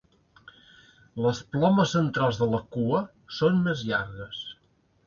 Les plomes centrals de la cua són més llargues.